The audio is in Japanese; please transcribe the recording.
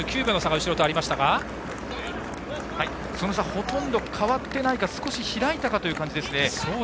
伊藤さん、その差はほとんど変わっていないか少し開いたかという感じですね。